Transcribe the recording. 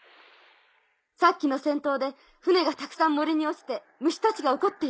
さっきの戦闘で船がたくさん森に落ちて蟲たちが怒っている。